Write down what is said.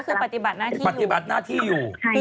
คือปฏิบัติหน้าที่ปฏิบัติหน้าที่อยู่